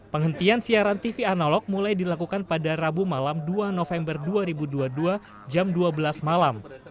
penghentian siaran tv analog mulai dilakukan pada rabu malam dua november dua ribu dua puluh dua jam dua belas malam